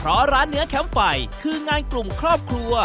เพราะร้านเนื้อแคมป์ไฟคืองานกลุ่มครอบครัว